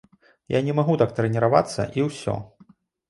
Я не магу так трэніравацца і ўсё.